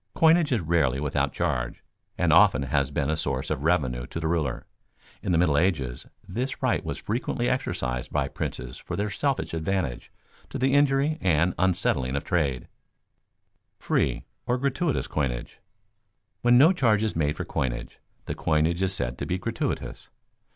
Coinage is rarely without charge, and often has been a source of revenue to the ruler. In the Middle Ages this right was frequently exercised by princes for their selfish advantage to the injury and unsettling of trade. [Sidenote: Free or gratuitous coinage] When no charge is made for coinage, the coinage is said to be gratuitous.